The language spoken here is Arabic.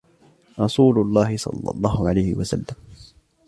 رَسُولُ اللَّهِ صَلَّى اللَّهُ عَلَيْهِ وَسَلَّمَ